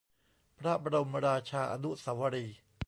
พระบรมราชาอนุสาวรีย์